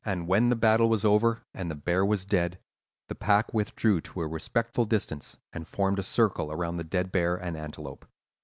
"When the battle was over and the bear was dead, the pack withdrew to a respectful distance, and formed a circle around the dead bear and antelope.